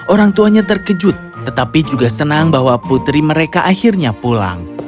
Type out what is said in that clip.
orang tuanya terkejut tetapi juga senang bahwa putri mereka akhirnya pulang